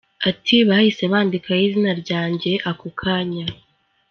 Ati “Bahise bandikaho izina ryanjye ako kanya.